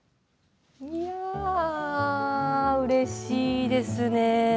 いやあ、うれしいですね。